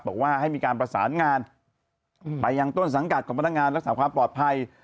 บอกว่าให้มีการประสานงานไปยังต้นสังกัดของพนักงานรักษาความปลอดภัย